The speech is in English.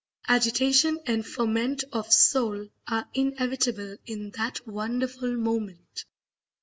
Agitation and ferment of soul are inevitable in that wonderful moment.